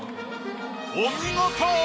お見事！